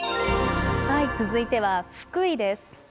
続いては福井です。